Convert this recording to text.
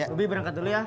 ubi berangkat dulu ya